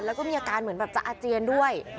แล้วก็มีอาการเหมือนแบบจะอาเจียนด้วย